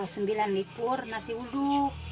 sembilan likur nasi uduk